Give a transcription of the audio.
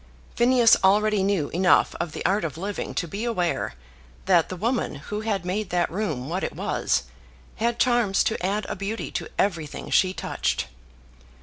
Phineas already knew enough of the art of living to be aware that the woman who had made that room what it was, had charms to add a beauty to everything she touched.